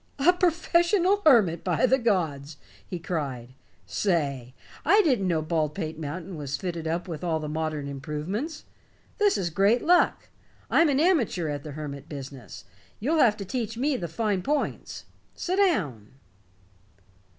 "A professional hermit, by the gods!" he cried. "Say, I didn't know Baldpate Mountain was fitted up with all the modern improvements. This is great luck. I'm an amateur at the hermit business, you'll have to teach me the fine points. Sit down."